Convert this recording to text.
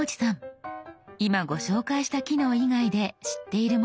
今ご紹介した機能以外で知っているものはありますか？